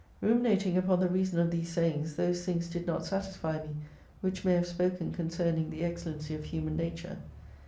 Ruminating upon the reason of these sayings, those things did not satisfy me, which many have spoken concerning the excellency of Human Nature.